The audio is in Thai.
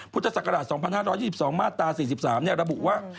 พุทธศักราช๒๕๒๒มาตรา๔๓ระบุว่า